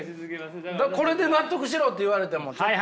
これで納得しろって言われてもちょっと。